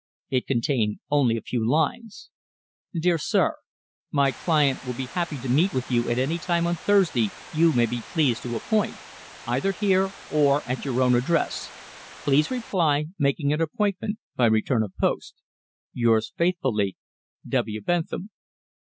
It contained only a few lines: "DEAR SIR, "My client will be happy to meet you at any time on Thursday you may be pleased to appoint, either here or at your own address. Please reply, making an appointment, by return of post. "Yours faithfully, "W. BENTHAM."